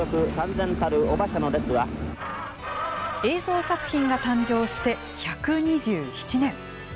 映像作品が誕生して１２７年。